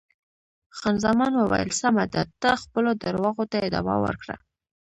خان زمان وویل: سمه ده، ته خپلو درواغو ته ادامه ورکړه.